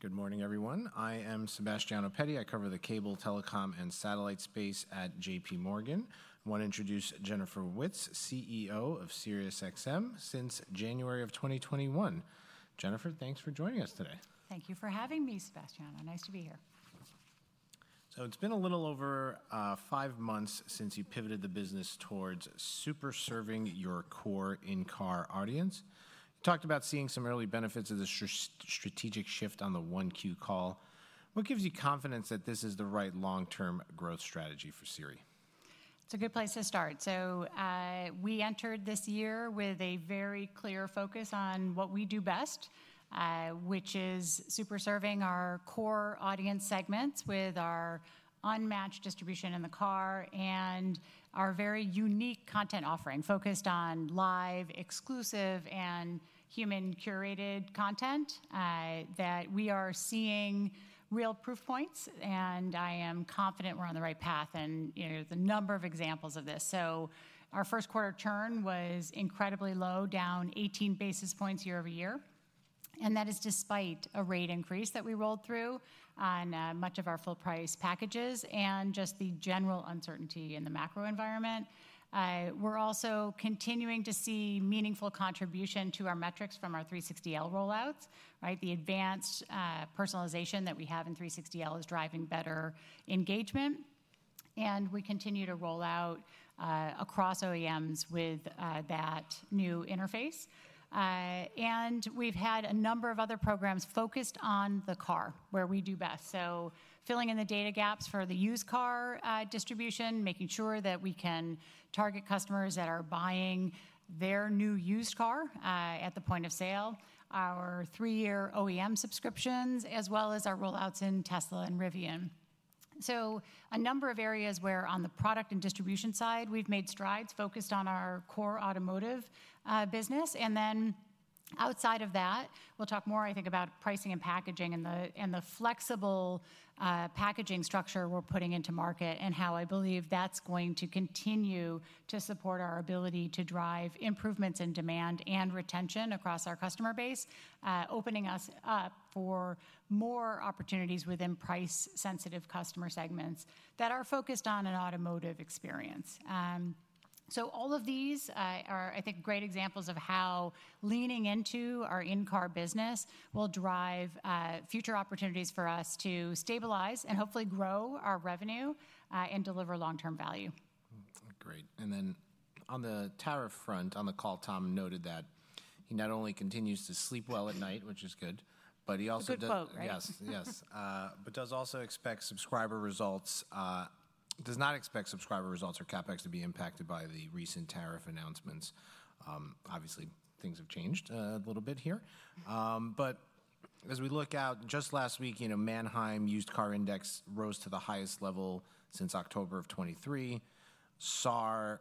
Good morning, everyone. I am Sebastiano Petti. I cover the cable, telecom, and satellite space at JPMorgan. I want to introduce Jennifer Witz, CEO of Sirius XM, since January of 2021. Jennifer, thanks for joining us today. Thank you for having me, Sebastiano. Nice to be here. It's been a little over five months since you pivoted the business towards super serving your core in-car audience. You talked about seeing some early benefits of this strategic shift on the Q1 call. What gives you confidence that this is the right long-term growth strategy for SiriusXM? It's a good place to start. We entered this year with a very clear focus on what we do best, which is super serving our core audience segments with our unmatched distribution in the car and our very unique content offering focused on live, exclusive, and human-curated content that we are seeing real proof points. I am confident we're on the right path. There's a number of examples of this. Our first quarter churn was incredibly low, down 18 basis points year over year. That is despite a rate increase that we rolled through on much of our full-price packages and just the general uncertainty in the macro environment. We're also continuing to see meaningful contribution to our metrics from our 360L rollouts. The advanced personalization that we have in 360L is driving better engagement. We continue to roll out across OEMs with that new interface. We have had a number of other programs focused on the car, where we do best. Filling in the data gaps for the used car distribution, making sure that we can target customers that are buying their new used car at the point of sale, our three-year OEM subscriptions, as well as our rollouts in Tesla and Rivian. A number of areas where on the product and distribution side, we have made strides focused on our core automotive business. Outside of that, we'll talk more, I think, about pricing and packaging and the flexible packaging structure we're putting into market and how I believe that's going to continue to support our ability to drive improvements in demand and retention across our customer base, opening us up for more opportunities within price-sensitive customer segments that are focused on an automotive experience. All of these are, I think, great examples of how leaning into our in-car business will drive future opportunities for us to stabilize and hopefully grow our revenue and deliver long-term value. Great. On the tariff front, on the call, Tom noted that he not only continues to sleep well at night, which is good, but he also does. Good quote, right? Yes, yes. Does also expect subscriber results, does not expect subscriber results or CapEx to be impacted by the recent tariff announcements. Obviously, things have changed a little bit here. As we look out, just last week, Manheim used car index rose to the highest level since October of 2023. SAAR,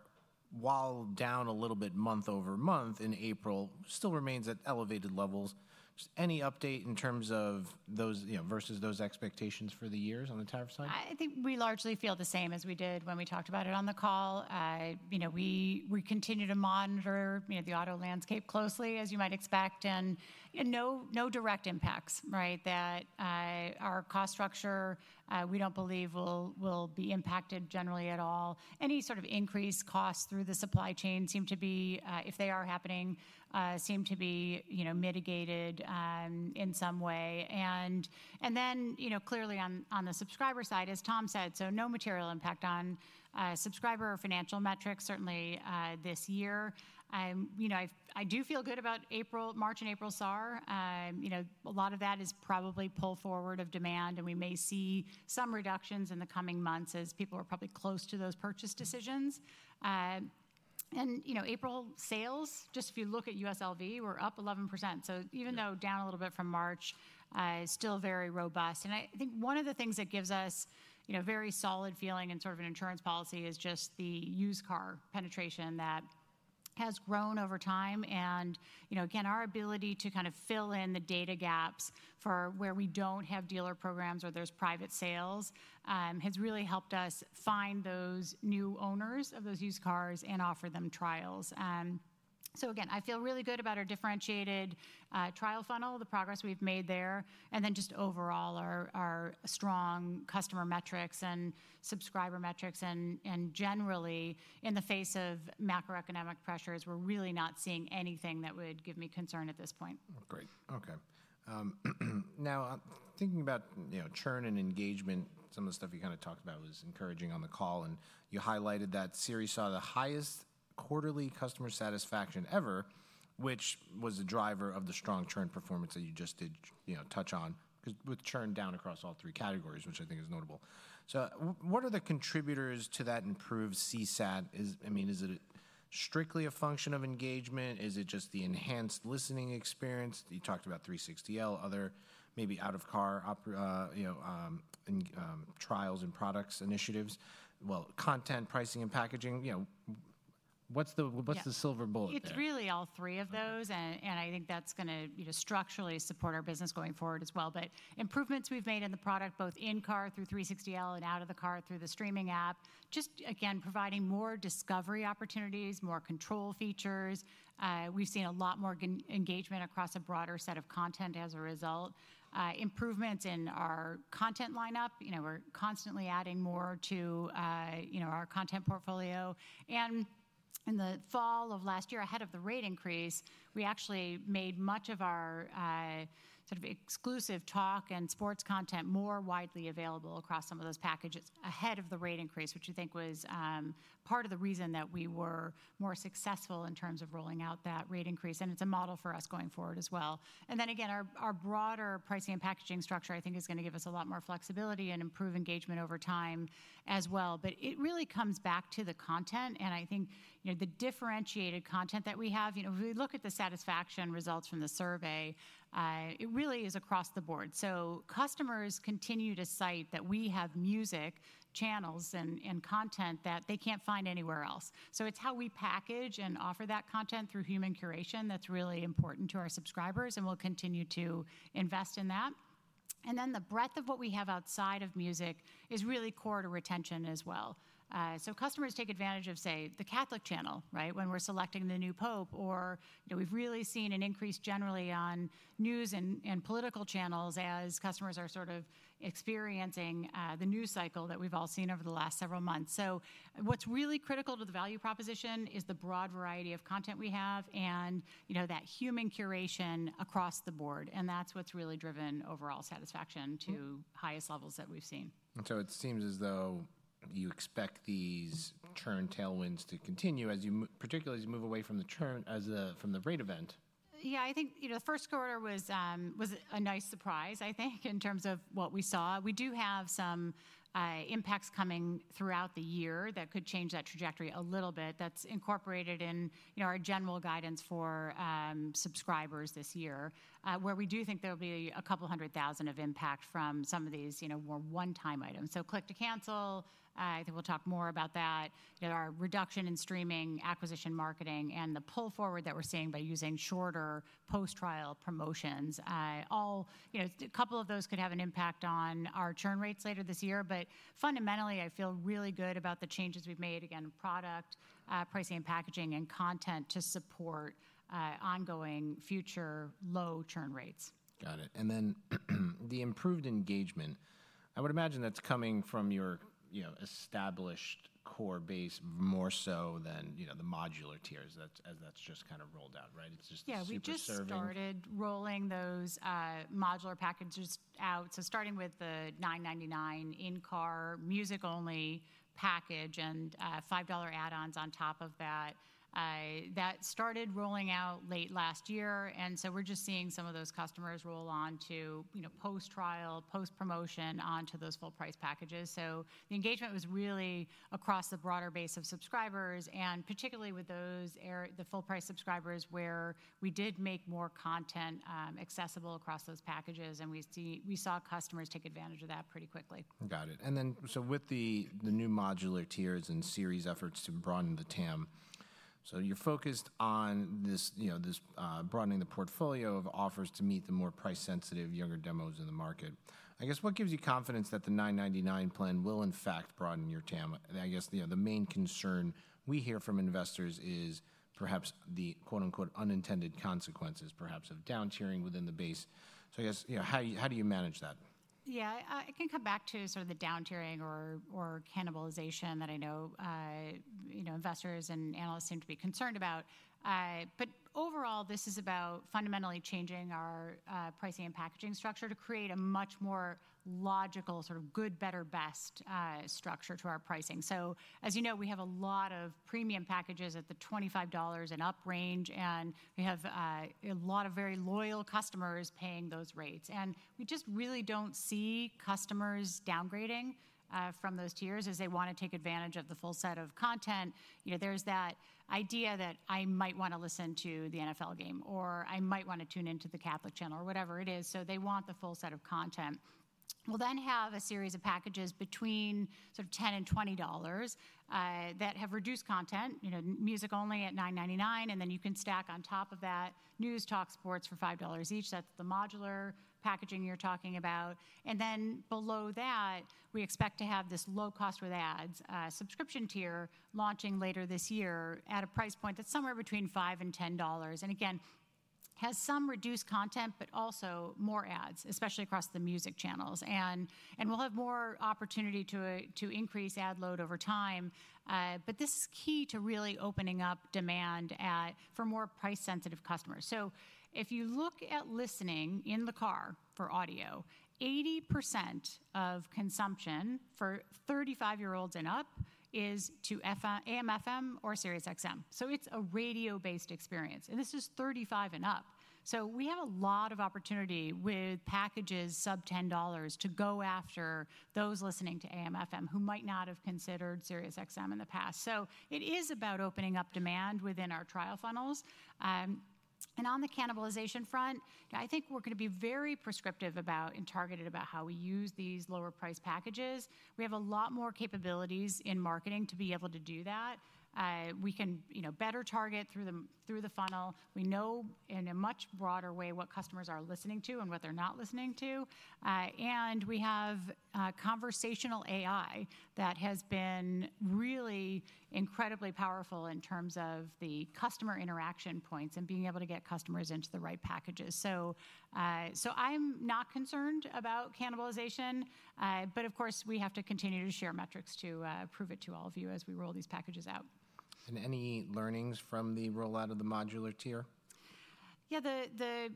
while down a little bit month over month in April, still remains at elevated levels. Any update in terms of those versus those expectations for the years on the tariff side? I think we largely feel the same as we did when we talked about it on the call. We continue to monitor the auto landscape closely, as you might expect. No direct impacts that our cost structure, we don't believe, will be impacted generally at all. Any sort of increased costs through the supply chain seem to be, if they are happening, seem to be mitigated in some way. Clearly on the subscriber side, as Tom said, no material impact on subscriber or financial metrics certainly this year. I do feel good about March and April SAAR. A lot of that is probably pull forward of demand. We may see some reductions in the coming months as people are probably close to those purchase decisions. April sales, just if you look at USLV, were up 11%. Even though down a little bit from March, still very robust. I think one of the things that gives us a very solid feeling in sort of an insurance policy is just the used car penetration that has grown over time. Again, our ability to kind of fill in the data gaps for where we do not have dealer programs or there are private sales has really helped us find those new owners of those used cars and offer them trials. Again, I feel really good about our differentiated trial funnel, the progress we have made there. Then just overall, our strong customer metrics and subscriber metrics. Generally, in the face of macroeconomic pressures, we are really not seeing anything that would give me concern at this point. Great. OK. Now, thinking about churn and engagement, some of the stuff you kind of talked about was encouraging on the call. You highlighted that SiriusXM saw the highest quarterly customer satisfaction ever, which was a driver of the strong churn performance that you just did touch on with churn down across all three categories, which I think is notable. What are the contributors to that improved CSAT? I mean, is it strictly a function of engagement? Is it just the enhanced listening experience? You talked about 360L, other maybe out-of-car trials and products initiatives. Content, pricing, and packaging. What's the silver bullet? It's really all three of those. I think that's going to structurally support our business going forward as well. Improvements we've made in the product, both in-car through 360L and out of the car through the streaming app, just again, providing more discovery opportunities, more control features. We've seen a lot more engagement across a broader set of content as a result. Improvements in our content lineup. We're constantly adding more to our content portfolio. In the fall of last year, ahead of the rate increase, we actually made much of our sort of exclusive talk and sports content more widely available across some of those packages ahead of the rate increase, which I think was part of the reason that we were more successful in terms of rolling out that rate increase. It's a model for us going forward as well. Our broader pricing and packaging structure, I think, is going to give us a lot more flexibility and improve engagement over time as well. It really comes back to the content. I think the differentiated content that we have, if we look at the satisfaction results from the survey, it really is across the board. Customers continue to cite that we have music channels and content that they can't find anywhere else. It is how we package and offer that content through human curation that's really important to our subscribers. We'll continue to invest in that. The breadth of what we have outside of music is really core to retention as well. Customers take advantage of, say, the Catholic channel when we're selecting the new pope. We've really seen an increase generally on news and political channels as customers are sort of experiencing the news cycle that we've all seen over the last several months. What's really critical to the value proposition is the broad variety of content we have and that human curation across the board. That's what's really driven overall satisfaction to highest levels that we've seen. It seems as though you expect these churn tailwinds to continue, particularly as you move away from the churn from the rate event. Yeah, I think the first quarter was a nice surprise, I think, in terms of what we saw. We do have some impacts coming throughout the year that could change that trajectory a little bit. That's incorporated in our general guidance for subscribers this year, where we do think there will be a couple hundred thousand of impact from some of these more one-time items. So click to cancel, I think we'll talk more about that, our reduction in streaming acquisition marketing, and the pull forward that we're seeing by using shorter post-trial promotions. A couple of those could have an impact on our churn rates later this year. Fundamentally, I feel really good about the changes we've made, again, product, pricing, and packaging, and content to support ongoing future low churn rates. Got it. The improved engagement, I would imagine that's coming from your established core base more so than the modular tiers, as that's just kind of rolled out, right? It's just. Yeah, we just started rolling those modular packages out. Starting with the $9.99 in-car music-only package and $5 add-ons on top of that, that started rolling out late last year. We're just seeing some of those customers roll on to post-trial, post-promotion onto those full-price packages. The engagement was really across the broader base of subscribers, and particularly with those full-price subscribers, where we did make more content accessible across those packages. We saw customers take advantage of that pretty quickly. Got it. With the new modular tiers and SiriusXM efforts to broaden the TAM, you're focused on this broadening the portfolio of offers to meet the more price-sensitive, younger demos in the market. I guess what gives you confidence that the $9.99 plan will, in fact, broaden your TAM? The main concern we hear from investors is perhaps the "unintended consequences," perhaps of down tiering within the base. How do you manage that? Yeah, I can come back to sort of the down tiering or cannibalization that I know investors and analysts seem to be concerned about. Overall, this is about fundamentally changing our pricing and packaging structure to create a much more logical sort of good, better, best structure to our pricing. As you know, we have a lot of premium packages at the $25 and up range. We have a lot of very loyal customers paying those rates. We just really do not see customers downgrading from those tiers as they want to take advantage of the full set of content. There is that idea that I might want to listen to the NFL game, or I might want to tune into the Catholic channel, or whatever it is. They want the full set of content. We'll then have a series of packages between $10 and $20 that have reduced content, music only at $9.99. You can stack on top of that news, talk, sports for $5 each. That's the modular packaging you're talking about. Below that, we expect to have this low-cost with ads subscription tier launching later this year at a price point that's somewhere between $5 and $10. Again, has some reduced content, but also more ads, especially across the music channels. We'll have more opportunity to increase ad load over time. This is key to really opening up demand for more price-sensitive customers. If you look at listening in the car for audio, 80% of consumption for 35-year-olds and up is to AM/FM or SiriusXM. It's a radio-based experience. This is 35 and up. We have a lot of opportunity with packages sub-$10 to go after those listening to AM/FM who might not have considered Sirius XM in the past. It is about opening up demand within our trial funnels. On the cannibalization front, I think we're going to be very prescriptive about and targeted about how we use these lower-priced packages. We have a lot more capabilities in marketing to be able to do that. We can better target through the funnel. We know in a much broader way what customers are listening to and what they're not listening to. We have conversational AI that has been really incredibly powerful in terms of the customer interaction points and being able to get customers into the right packages. I'm not concerned about cannibalization. Of course, we have to continue to share metrics to prove it to all of you as we roll these packages out. Any learnings from the rollout of the modular tier? Yeah,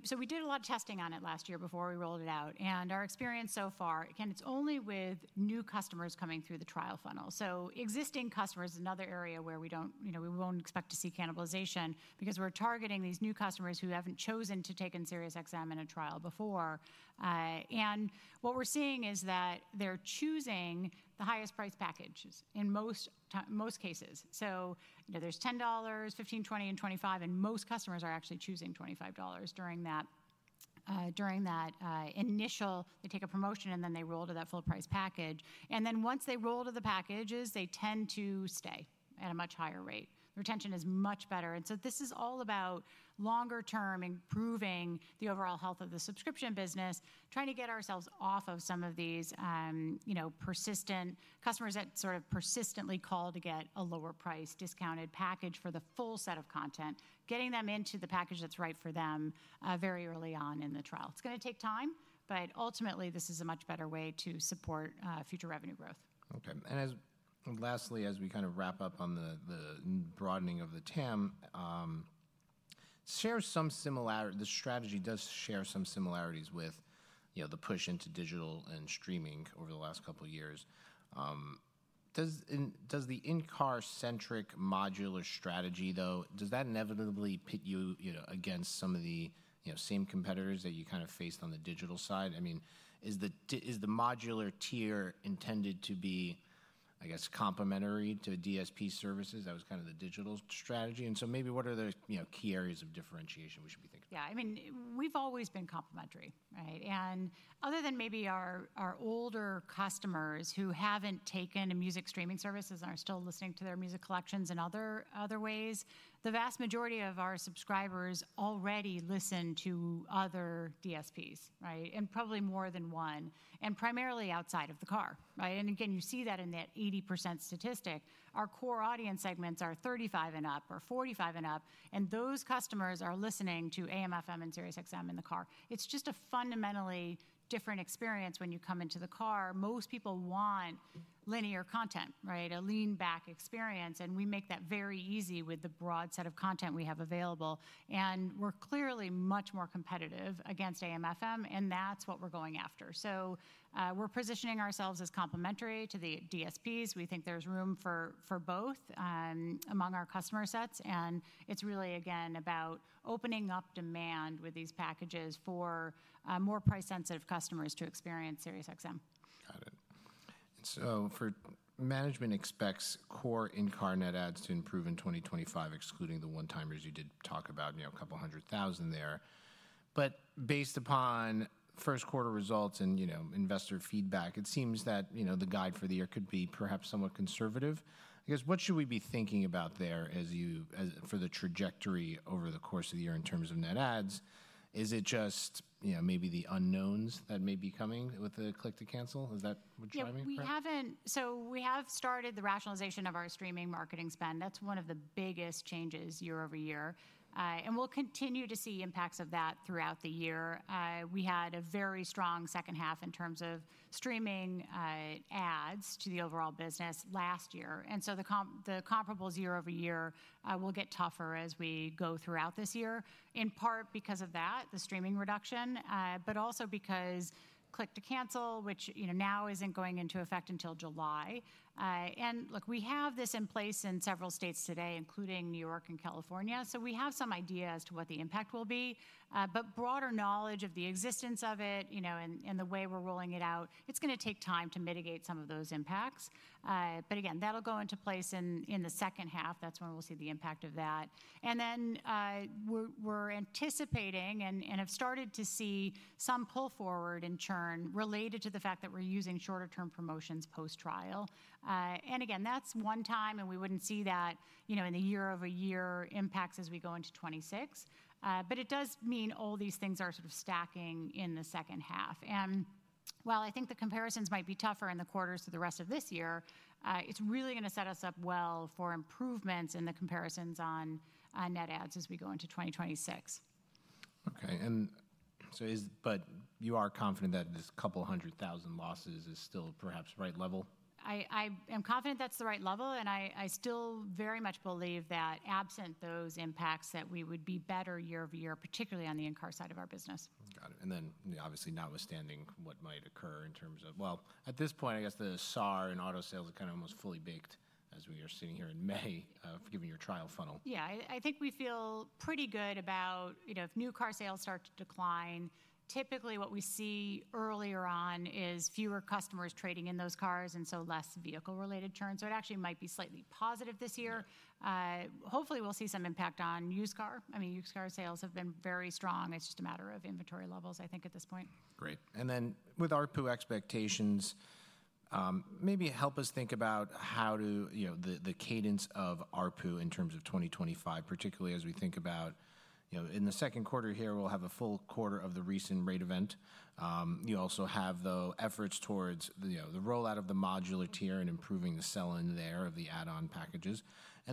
so we did a lot of testing on it last year before we rolled it out. Our experience so far, again, it's only with new customers coming through the trial funnel. Existing customers is another area where we won't expect to see cannibalization because we're targeting these new customers who haven't chosen to take in SiriusXM in a trial before. What we're seeing is that they're choosing the highest priced packages in most cases. There's $10, $15, $20, and $25. Most customers are actually choosing $25 during that initial, they take a promotion, and then they roll to that full-priced package. Once they roll to the packages, they tend to stay at a much higher rate. Retention is much better. This is all about longer-term improving the overall health of the subscription business, trying to get ourselves off of some of these persistent customers that sort of persistently call to get a lower-priced discounted package for the full set of content, getting them into the package that's right for them very early on in the trial. It's going to take time. Ultimately, this is a much better way to support future revenue growth. OK. Lastly, as we kind of wrap up on the broadening of the TAM, the strategy does share some similarities with the push into digital and streaming over the last couple of years. Does the in-car-centric modular strategy, though, does that inevitably pit you against some of the same competitors that you kind of faced on the digital side? I mean, is the modular tier intended to be, I guess, complementary to DSP services? That was kind of the digital strategy. Maybe what are the key areas of differentiation we should be thinking about? Yeah, I mean, we've always been complementary. Other than maybe our older customers who haven't taken a music streaming service and are still listening to their music collections in other ways, the vast majority of our subscribers already listen to other DSPs, and probably more than one, and primarily outside of the car. You see that in that 80% statistic. Our core audience segments are 35 and up or 45 and up. Those customers are listening to AM/FM and Sirius XM in the car. It's just a fundamentally different experience when you come into the car. Most people want linear content, a lean-back experience. We make that very easy with the broad set of content we have available. We're clearly much more competitive against AM/FM. That's what we're going after. We're positioning ourselves as complementary to the DSPs. We think there's room for both among our customer sets. It's really, again, about opening up demand with these packages for more price-sensitive customers to experience SiriusXM. Got it. Management expects core in-car net adds to improve in 2025, excluding the one-timers you did talk about, a couple hundred thousand there. Based upon first quarter results and investor feedback, it seems that the guide for the year could be perhaps somewhat conservative. I guess what should we be thinking about there for the trajectory over the course of the year in terms of net adds? Is it just maybe the unknowns that may be coming with the click to cancel? Is that what you're talking about? Yeah, we haven't. We have started the rationalization of our streaming marketing spend. That's one of the biggest changes year over year. We'll continue to see impacts of that throughout the year. We had a very strong second half in terms of streaming adds to the overall business last year. The comparables year over year will get tougher as we go throughout this year, in part because of that, the streaming reduction, but also because click to cancel, which now isn't going into effect until July. We have this in place in several states today, including New York and California. We have some idea as to what the impact will be. Broader knowledge of the existence of it and the way we're rolling it out, it's going to take time to mitigate some of those impacts. Again, that'll go into place in the second half. That's when we'll see the impact of that. We're anticipating and have started to see some pull forward in churn related to the fact that we're using shorter-term promotions post-trial. Again, that's one time. We wouldn't see that in the year-over-year impacts as we go into 2026. It does mean all these things are sort of stacking in the second half. While I think the comparisons might be tougher in the quarters to the rest of this year, it's really going to set us up well for improvements in the comparisons on net adds as we go into 2026. OK. And you are confident that this couple hundred thousand losses is still perhaps right level? I am confident that's the right level. I still very much believe that absent those impacts, that we would be better year over year, particularly on the in-car side of our business. Got it. Obviously, notwithstanding what might occur in terms of, well, at this point, I guess the SAAR and auto sales are kind of almost fully baked, as we are sitting here in May, given your trial funnel. Yeah, I think we feel pretty good about if new car sales start to decline, typically what we see earlier on is fewer customers trading in those cars and so less vehicle-related churn. It actually might be slightly positive this year. Hopefully, we'll see some impact on used car. I mean, used car sales have been very strong. It's just a matter of inventory levels, I think, at this point. Great. With ARPU expectations, maybe help us think about how the cadence of ARPU in terms of 2025, particularly as we think about in the second quarter here, we'll have a full quarter of the recent rate event. You also have, though, efforts towards the rollout of the modular tier and improving the sell-in there of the add-on packages.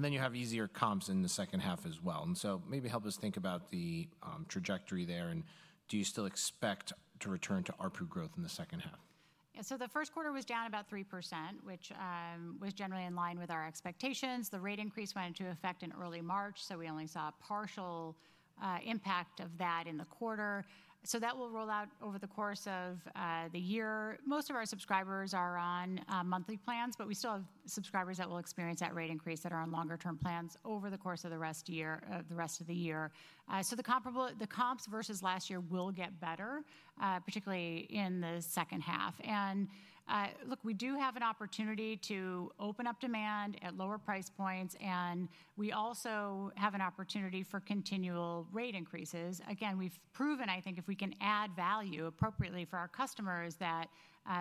You have easier comps in the second half as well. Maybe help us think about the trajectory there. Do you still expect to return to ARPU growth in the second half? Yeah, the first quarter was down about 3%, which was generally in line with our expectations. The rate increase went into effect in early March. We only saw a partial impact of that in the quarter. That will roll out over the course of the year. Most of our subscribers are on monthly plans. We still have subscribers that will experience that rate increase that are on longer-term plans over the course of the rest of the year. The comps versus last year will get better, particularly in the second half. Look, we do have an opportunity to open up demand at lower price points. We also have an opportunity for continual rate increases. Again, we've proven, I think, if we can add value appropriately for our customers, that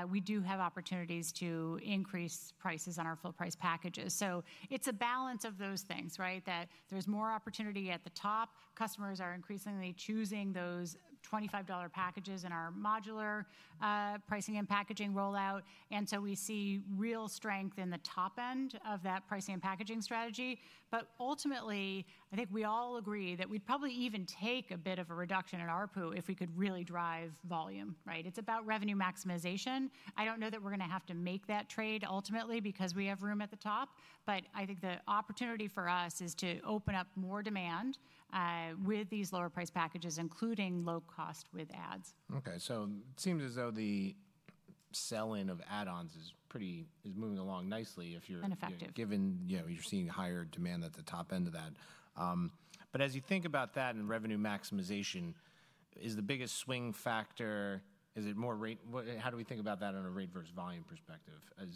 we do have opportunities to increase prices on our full-priced packages. It's a balance of those things, that there's more opportunity at the top. Customers are increasingly choosing those $25 packages in our modular pricing and packaging rollout. We see real strength in the top end of that pricing and packaging strategy. Ultimately, I think we all agree that we'd probably even take a bit of a reduction in ARPU if we could really drive volume. It's about revenue maximization. I don't know that we're going to have to make that trade ultimately because we have room at the top. I think the opportunity for us is to open up more demand with these lower-priced packages, including low cost with ads. OK. So it seems as though the sell-in of add-ons is moving along nicely if you're. And effective. Given you're seeing higher demand at the top end of that. As you think about that and revenue maximization, is the biggest swing factor, is it more rate? How do we think about that on a rate versus volume perspective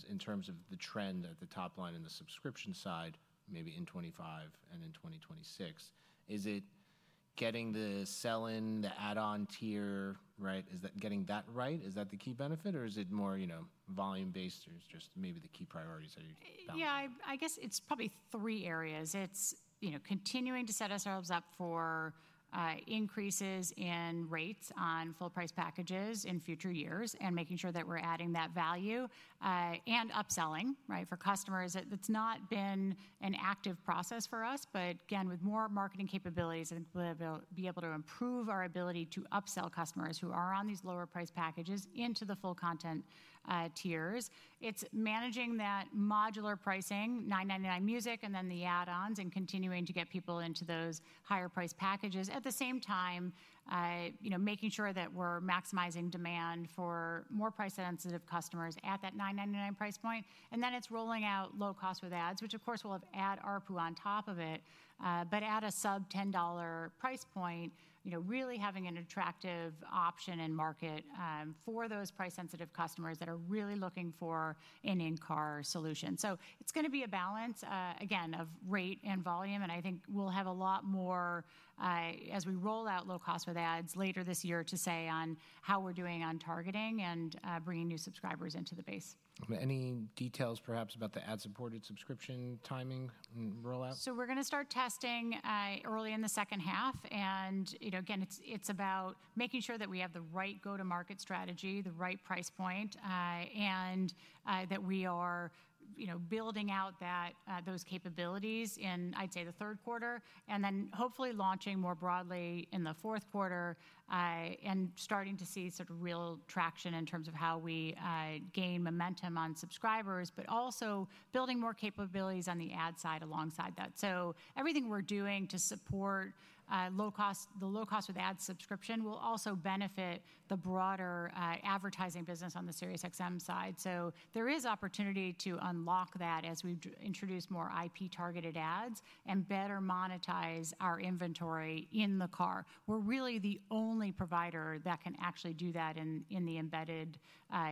in terms of the trend at the top line in the subscription side, maybe in 2025 and in 2026? Is it getting the sell-in, the add-on tier? Is getting that right? Is that the key benefit? Or is it more volume-based? Or is just maybe the key priorities that you're talking about? Yeah, I guess it's probably three areas. It's continuing to set ourselves up for increases in rates on full-priced packages in future years and making sure that we're adding that value and upselling for customers. It's not been an active process for us. Again, with more marketing capabilities, I think we'll be able to improve our ability to upsell customers who are on these lower-priced packages into the full content tiers. It's managing that modular pricing, $9.99 music, and then the add-ons and continuing to get people into those higher-priced packages at the same time, making sure that we're maximizing demand for more price-sensitive customers at that $9.99 price point. It's rolling out low cost with ads, which of course will add ARPU on top of it, but at a sub-$10 price point, really having an attractive option in market for those price-sensitive customers that are really looking for an in-car solution. It's going to be a balance, again, of rate and volume. I think we'll have a lot more as we roll out low cost with ads later this year to say on how we're doing on targeting and bringing new subscribers into the base. Any details perhaps about the ad-supported subscription timing and rollout? We're going to start testing early in the second half. Again, it's about making sure that we have the right go-to-market strategy, the right price point, and that we are building out those capabilities in, I'd say, the third quarter, and then hopefully launching more broadly in the fourth quarter and starting to see sort of real traction in terms of how we gain momentum on subscribers, but also building more capabilities on the ad side alongside that. Everything we're doing to support the low cost with ad subscription will also benefit the broader advertising business on the Sirius XM side. There is opportunity to unlock that as we introduce more IP-targeted ads and better monetize our inventory in the car. We're really the only provider that can actually do that in the embedded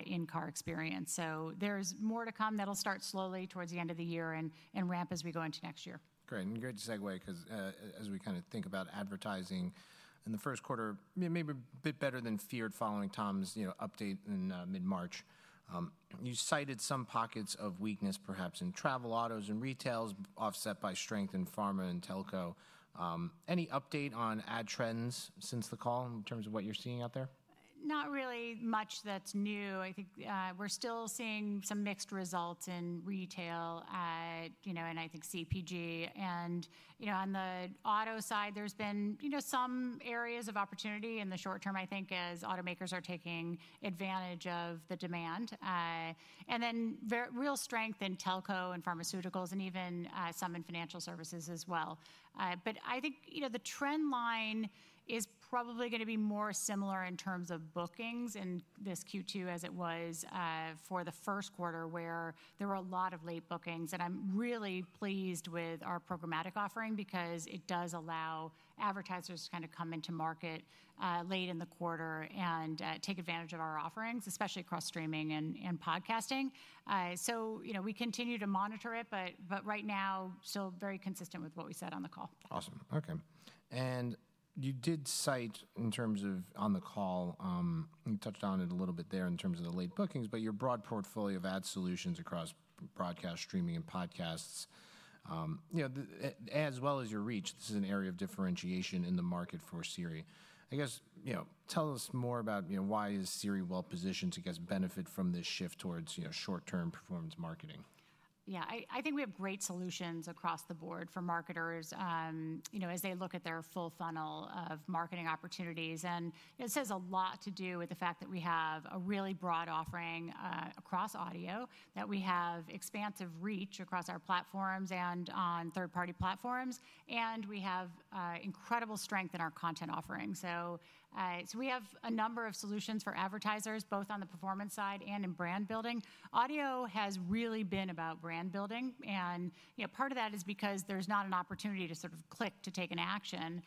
in-car experience. There's more to come that'll start slowly towards the end of the year and ramp as we go into next year. Great. Great segue because as we kind of think about advertising in the first quarter, maybe a bit better than feared following Tom's update in mid-March, you cited some pockets of weakness, perhaps in travel, autos, and retail, offset by strength in pharma and telco. Any update on ad trends since the call in terms of what you're seeing out there? Not really much that's new. I think we're still seeing some mixed results in retail and I think CPG. On the auto side, there's been some areas of opportunity in the short term, I think, as automakers are taking advantage of the demand. There is real strength in telco and pharmaceuticals and even some in financial services as well. I think the trend line is probably going to be more similar in terms of bookings in this Q2 as it was for the first quarter, where there were a lot of late bookings. I'm really pleased with our programmatic offering because it does allow advertisers to kind of come into market late in the quarter and take advantage of our offerings, especially across streaming and podcasting. We continue to monitor it. Right now, still very consistent with what we said on the call. Awesome. OK. You did cite in terms of on the call, you touched on it a little bit there in terms of the late bookings, but your broad portfolio of ad solutions across broadcast, streaming, and podcasts, as well as your reach, this is an area of differentiation in the market for SiriusXM. I guess tell us more about why is SiriusXM well positioned to get benefit from this shift towards short-term performance marketing. Yeah, I think we have great solutions across the board for marketers as they look at their full funnel of marketing opportunities. It has a lot to do with the fact that we have a really broad offering across audio, that we have expansive reach across our platforms and on third-party platforms. We have incredible strength in our content offering. We have a number of solutions for advertisers, both on the performance side and in brand building. Audio has really been about brand building. Part of that is because there's not an opportunity to sort of click to take an action.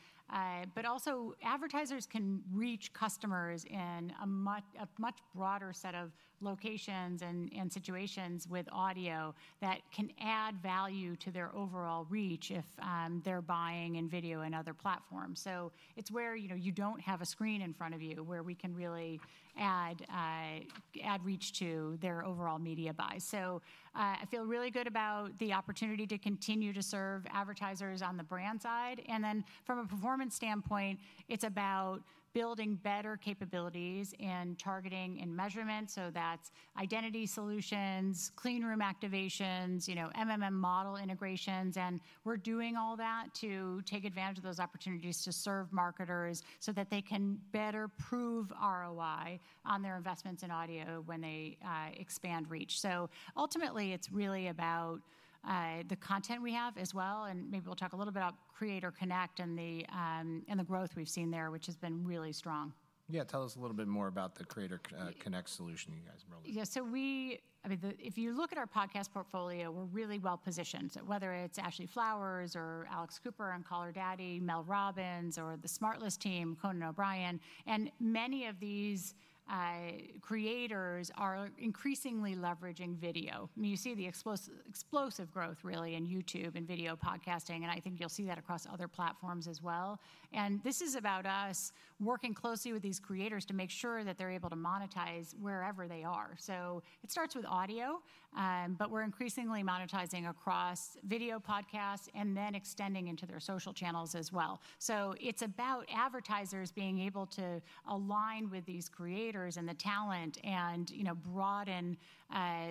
Also, advertisers can reach customers in a much broader set of locations and situations with audio that can add value to their overall reach if they're buying in video and other platforms. It's where you do not have a screen in front of you where we can really add reach to their overall media buy. I feel really good about the opportunity to continue to serve advertisers on the brand side. From a performance standpoint, it's about building better capabilities and targeting and measurement. That's identity solutions, clean room activations, model integrations. We are doing all that to take advantage of those opportunities to serve marketers so that they can better prove ROI on their investments in audio when they expand reach. Ultimately, it's really about the content we have as well. Maybe we will talk a little bit about Creator Connect and the growth we have seen there, which has been really strong. Yeah, tell us a little bit more about the Creator Connect solution you guys are rolling. Yeah, so if you look at our podcast portfolio, we're really well positioned. Whether it's Ashley Flowers or Alex Cooper on Call Her Daddy, Mel Robbins, or the Smart List team, Conan O'Brien. Many of these creators are increasingly leveraging video. You see the explosive growth really in YouTube and video podcasting. I think you'll see that across other platforms as well. This is about us working closely with these creators to make sure that they're able to monetize wherever they are. It starts with audio. We're increasingly monetizing across video podcasts and then extending into their social channels as well. It's about advertisers being able to align with these creators and the talent and broaden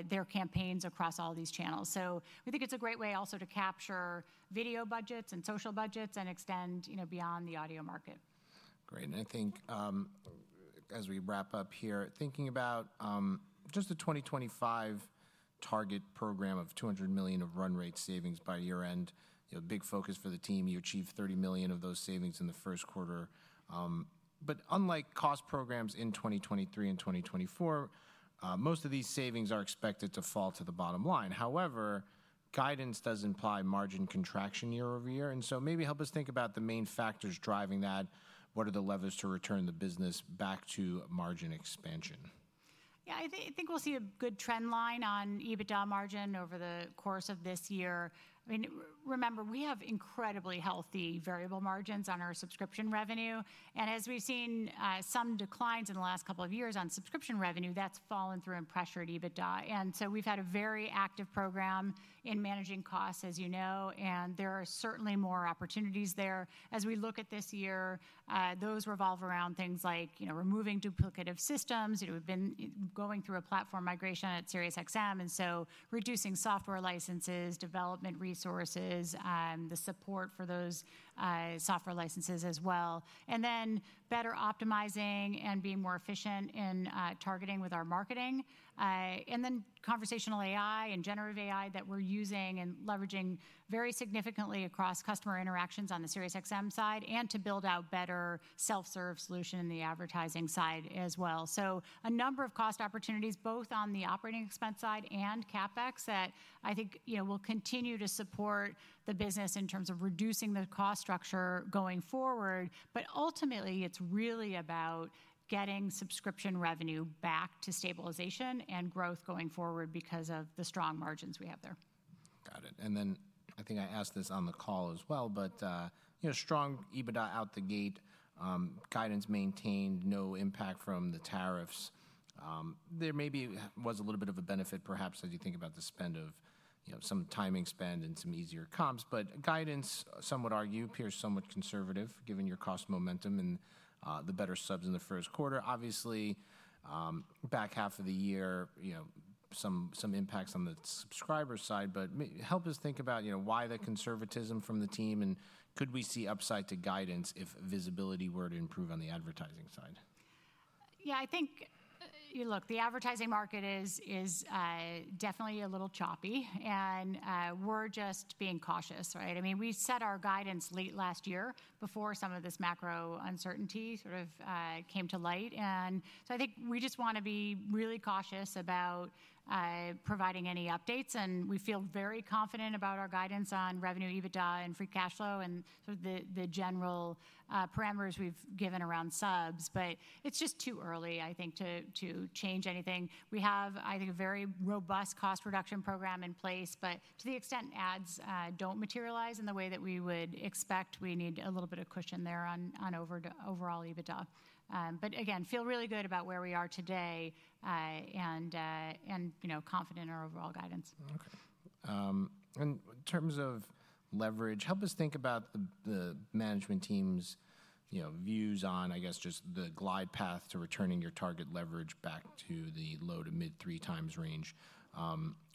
their campaigns across all these channels. We think it's a great way also to capture video budgets and social budgets and extend beyond the audio market. Great. I think as we wrap up here, thinking about just the 2025 target program of $200 million of run rate savings by year-end, big focus for the team. You achieved $30 million of those savings in the first quarter. Unlike cost programs in 2023 and 2024, most of these savings are expected to fall to the bottom line. However, guidance does imply margin contraction year over year. Maybe help us think about the main factors driving that. What are the levers to return the business back to margin expansion? Yeah, I think we'll see a good trend line on EBITDA margin over the course of this year. I mean, remember, we have incredibly healthy variable margins on our subscription revenue. As we've seen some declines in the last couple of years on subscription revenue, that's fallen through and pressured EBITDA. We've had a very active program in managing costs, as you know. There are certainly more opportunities there. As we look at this year, those revolve around things like removing duplicative systems. We've been going through a platform migration at Sirius XM. Reducing software licenses, development resources, the support for those software licenses as well. Then better optimizing and being more efficient in targeting with our marketing. Conversational AI and generative AI that we're using and leveraging very significantly across customer interactions on the Sirius XM side and to build out better self-serve solution in the advertising side as well. A number of cost opportunities, both on the operating expense side and CapEx, that I think will continue to support the business in terms of reducing the cost structure going forward. Ultimately, it's really about getting subscription revenue back to stabilization and growth going forward because of the strong margins we have there. Got it. I think I asked this on the call as well. Strong EBITDA out the gate, guidance maintained, no impact from the tariffs. There maybe was a little bit of a benefit perhaps as you think about the spend of some timing spend and some easier comps. Guidance, some would argue, appears somewhat conservative given your cost momentum and the better subs in the first quarter. Obviously, back half of the year, some impacts on the subscriber side. Help us think about why the conservatism from the team. Could we see upside to guidance if visibility were to improve on the advertising side? Yeah, I think, look, the advertising market is definitely a little choppy. We are just being cautious. I mean, we set our guidance late last year before some of this macro uncertainty sort of came to light. I think we just want to be really cautious about providing any updates. We feel very confident about our guidance on revenue, EBITDA, and free cash flow and the general parameters we have given around subs. It is just too early, I think, to change anything. We have, I think, a very robust cost reduction program in place. To the extent ads do not materialize in the way that we would expect, we need a little bit of cushion there on overall EBITDA. Again, feel really good about where we are today and confident in our overall guidance. OK. In terms of leverage, help us think about the management team's views on, I guess, just the glide path to returning your target leverage back to the low to mid-three times range.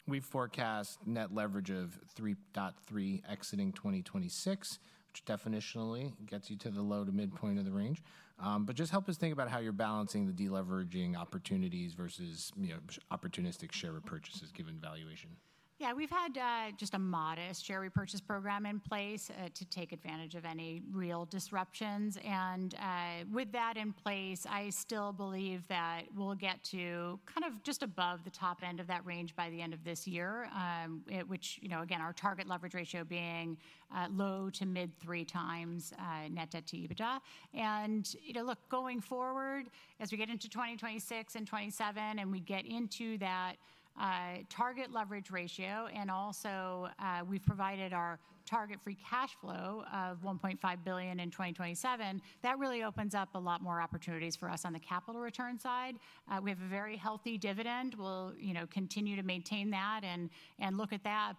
We've forecast net leverage of 3.3 exiting 2026, which definitionally gets you to the low to midpoint of the range. Just help us think about how you're balancing the deleveraging opportunities versus opportunistic share repurchases given valuation. Yeah, we've had just a modest share repurchase program in place to take advantage of any real disruptions. With that in place, I still believe that we'll get to kind of just above the top end of that range by the end of this year, which, again, our target leverage ratio being low to mid-three times net debt to EBITDA. Look, going forward, as we get into 2026 and 2027 and we get into that target leverage ratio, and also we've provided our target free cash flow of $1.5 billion in 2027, that really opens up a lot more opportunities for us on the capital return side. We have a very healthy dividend. We'll continue to maintain that and look at that.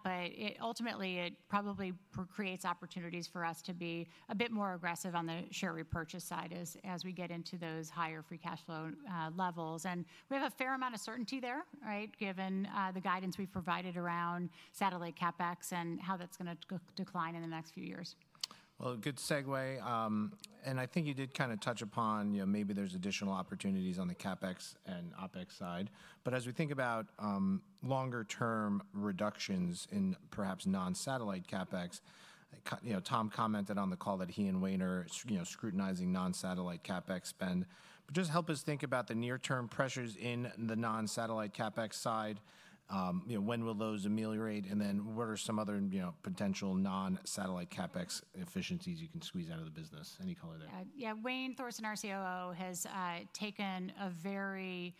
Ultimately, it probably creates opportunities for us to be a bit more aggressive on the share repurchase side as we get into those higher free cash flow levels. We have a fair amount of certainty there, given the guidance we have provided around satellite CapEx and how that is going to decline in the next few years. Good segue. I think you did kind of touch upon maybe there's additional opportunities on the CapEx and OpEx side. As we think about longer-term reductions in perhaps non-satellite CapEx, Tom commented on the call that he and Wayne are scrutinizing non-satellite CapEx spend. Just help us think about the near-term pressures in the non-satellite CapEx side. When will those ameliorate? What are some other potential non-satellite CapEx efficiencies you can squeeze out of the business? Any color there? Yeah, Wayne Thorsen, COO, has taken a very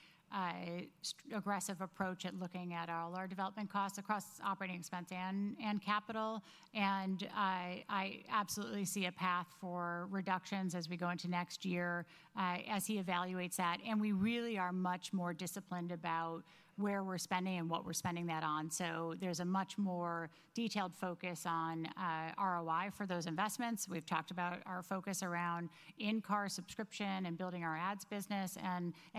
aggressive approach at looking at all our development costs across operating expense and capital. I absolutely see a path for reductions as we go into next year as he evaluates that. We really are much more disciplined about where we're spending and what we're spending that on. There is a much more detailed focus on ROI for those investments. We've talked about our focus around in-car subscription and building our ads business.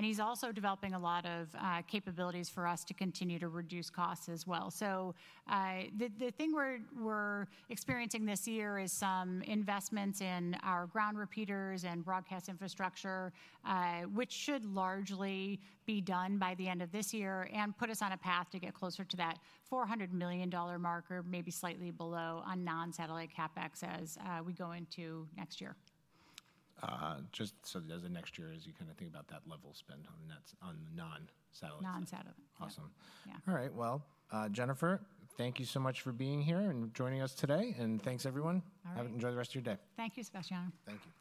He is also developing a lot of capabilities for us to continue to reduce costs as well. The thing we're experiencing this year is some investments in our ground repeaters and broadcast infrastructure, which should largely be done by the end of this year and put us on a path to get closer to that $400 million mark or maybe slightly below on non-satellite CapEx as we go into next year. Just so as of next year, as you kind of think about that level spend on non-satellite. Non-satellite. Awesome. All right. Jennifer, thank you so much for being here and joining us today. Thanks, everyone. Have an enjoy the rest of your day. Thank you, Sebastiano. Thank you.